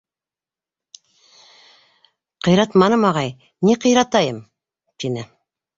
— Ҡыйратманым, ағай, ни ҡыйратайым? — тине.